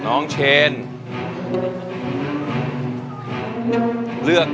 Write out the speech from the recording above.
โอ๊ยโอ๊ย